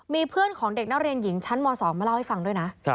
มีเพื่อนของเด็กนักเรียนหญิงชั้นม๒มาเล่าให้ฟังด้วยนะ